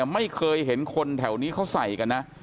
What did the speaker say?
ไม่เคยเห็นคนแถวนี้เขาใส่กันนะ